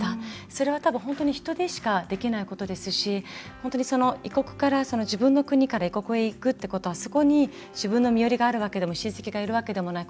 それは多分本当に人でしかできないことですし自分の国から異国へ行くってことはそこに自分の身寄りがあるわけでも親戚がいるわけでもない。